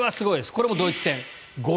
これもドイツ戦。